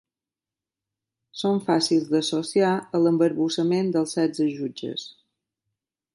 Són fàcils d'associar a l'embarbussament dels setze jutges.